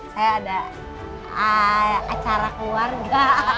saya ada acara keluarga